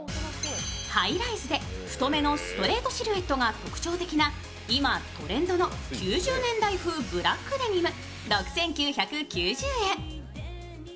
ハイライズで、太めのストレートシルエットが特徴の今、トレンドの９０年代ブラックデニム。